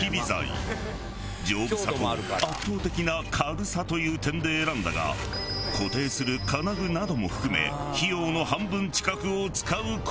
丈夫さと圧倒的な軽さという点で選んだが固定する金具なども含め費用の半分近くを使う事に。